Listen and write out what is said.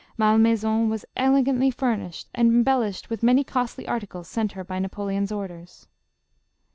Malmaison was elegantly furnished and embel lished with many costly articles sent her by Napoleon's orders.